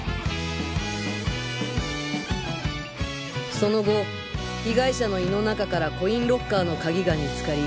その後被害者の胃の中からコインロッカーの鍵が見つかり